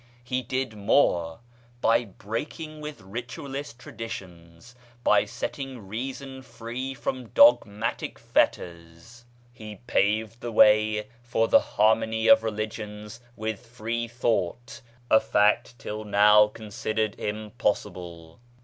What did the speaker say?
He did more ; by breaking with ritualist traditions, by setting reason free from dogmatic fetters. 44 BAHAISM he paved the way for the harmony of religions with free thought, a fact till now considered impossible.